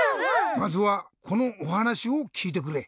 まずはこのおはなしをきいてくれ。